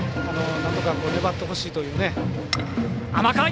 なんとか粘ってほしいというね。